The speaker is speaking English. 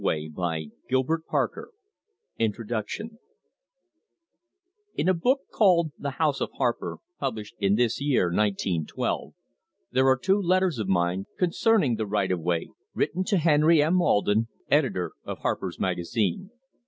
THE CURE SPEAKS EPILOGUE INTRODUCTION In a book called 'The House of Harper', published in this year, 1912, there are two letters of mine, concerning 'The Right of Way', written to Henry M. Alden, editor of Harper's Magazine.